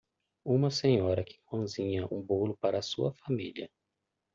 Uma senhora que cozinha um bolo para sua família.